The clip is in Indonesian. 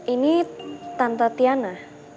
ini tante tiana